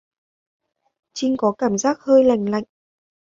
Trinh có cảm giác hơi lạnh lạnh